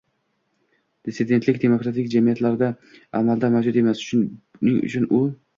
Dissidentlik demokratik jamiyatlarda amalda mavjud emas, shuning uchun u